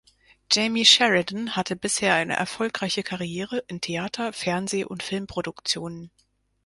Jamey Sheridan hatte bisher eine erfolgreiche Karriere in Theater-, Fernseh- und Filmproduktionen.